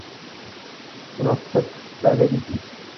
منافقت پہلے بھی تھی۔